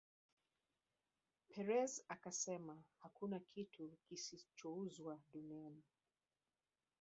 Perez akasema hakuna kitu kisichouzwa duniani